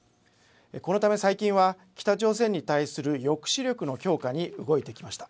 このため最近は北朝鮮に対する抑止力の強化に動いてきました。